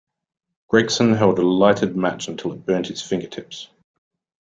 Gregson held a lighted match until it burnt his fingertips.